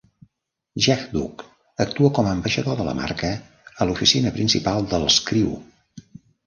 Hejduk actua com "ambaixador de la marca" a l'oficina principal dels Crew.